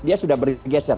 dia sudah bergeser